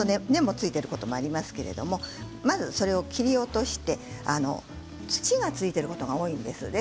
根もついていることがありますけれどもそれを切り落として土がついていることが多いんです。